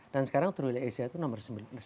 dan sekarang truly asia itu nomor sembilan puluh enam